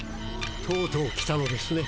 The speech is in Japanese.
とうとう来たのですね。